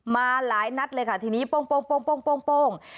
มาหลายนัดเลยค่ะทีนี้โป้ง